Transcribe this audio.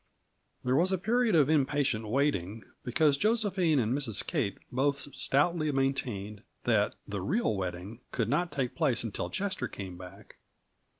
There was a period of impatient waiting, because Josephine and Mrs. Kate both stoutly maintained that the "real wedding" could not take place until Chester came back.